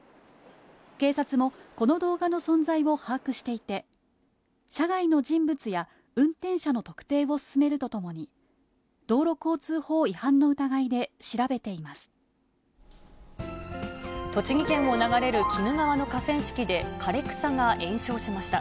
警察も、この動画の存在を把握していて、車外の人物や運転者の特定を進めるとともに、道路交通法違反の疑栃木県を流れる鬼怒川の河川敷で、枯れ草が延焼しました。